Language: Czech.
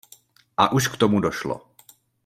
A už k tomu došlo.